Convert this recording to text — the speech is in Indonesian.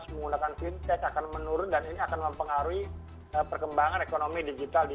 menggunakan fintech akan menurun dan ini akan mempengaruhi perkembangan ekonomi digital di